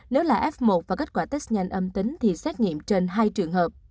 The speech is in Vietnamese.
nếu là f một và kết quả test nhanh âm tính thì xét nghiệm trên hai trường hợp